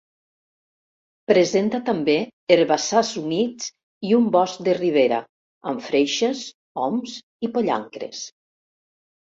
Presenta també herbassars humits i un bosc de ribera amb freixes, oms i pollancres.